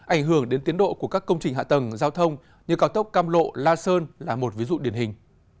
ảnh hưởng đến tiến độ của các công trình hạ tầng giao thông như cao tốc cam lộ la sơn là một ví dụ điển hình